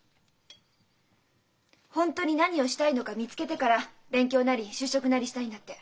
本当に何をしたいのか見つけてから勉強なり就職なりしたいんだって。